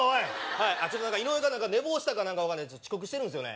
はいちょっと何か井上が寝坊したか何か分かんないけど遅刻してるんですよね